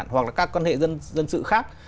hoặc là các quan hệ dân sự khác